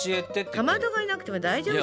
かまどがいなくても大丈夫でしょ。